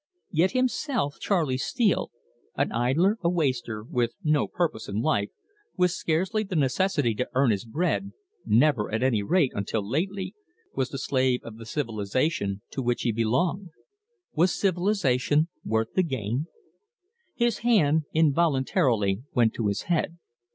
Yet himself, Charley Steele, an idler, a waster, with no purpose in life, with scarcely the necessity to earn his bread never, at any rate, until lately was the slave of the civilisation to which he belonged. Was civilisation worth the game? His hand involuntarily went to his head.